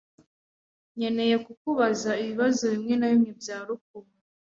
Nkeneye kukubaza ibibazo bimwe na bimwe bya Rukundo.